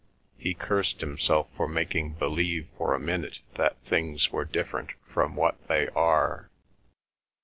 He cursed himself for making believe for a minute that things were different from what they are.